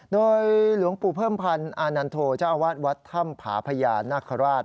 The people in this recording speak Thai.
โดยหลวงปู่เพิ่มพันธ์อานันโทเจ้าอาวาสวัดถ้ำผาพญานาคาราช